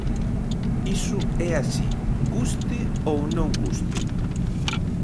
Iso é así, guste ou non guste.